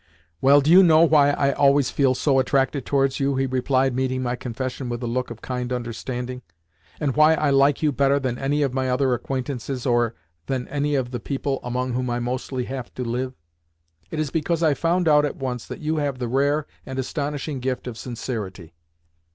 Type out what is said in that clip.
"Well, do you know why I always feel so attracted towards you?" he replied, meeting my confession with a look of kind understanding, "and why I like you better than any of my other acquaintances or than any of the people among whom I mostly have to live? It is because I found out at once that you have the rare and astonishing gift of sincerity."